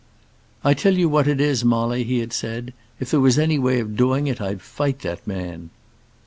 "I tell you what it is, Molly," he had said, "if there was any way of doing it, I'd fight that man."